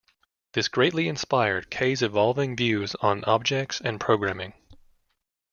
This greatly inspired Kay's evolving views on objects and programming.